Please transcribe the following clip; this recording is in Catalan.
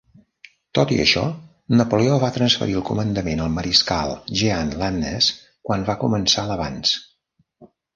Tot i això, Napoleó va transferir el comandament al mariscal Jean Lannes quan va començar l'avanç.